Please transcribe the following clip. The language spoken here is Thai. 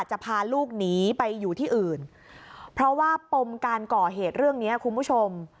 จะพาลูกหนีไปอยู่ที่อื่นเพราะว่าปมการก่อเหตุเรื่องนี้คุณผู้ชม